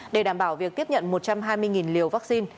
để đảm bảo việc tiếp nhận một trăm hai mươi liều vaccine